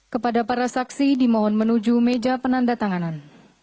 kepada para saksi dimohon menuju meja penandatanganan